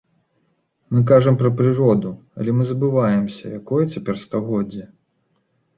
Мы кажам пра прыроду, але мы забываемся, якое цяпер стагоддзе.